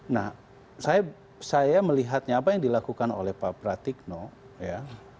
nah saya melihatnya apa yang dilakukan oleh pak pratikno ya